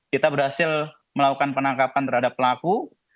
kita berhasil melakukan penangkapan terhadap pelaku